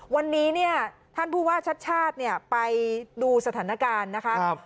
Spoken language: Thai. วันนี้ท่านผู้ว่าชาติชาติไปดูสถานการณ์นะคะ